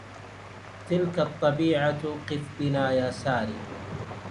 تلك الطبيعة قف بنا يا ساري